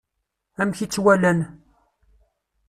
Amek i tt-walan?